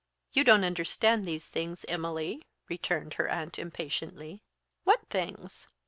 "You don't understand these things, Emily," returned her aunt impatiently. "What things?"